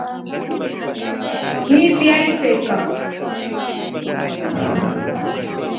Ni fi aliseka.